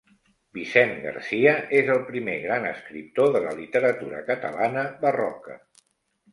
Vicent Garcia és el primer gran escriptor de la literatura catalana barroca.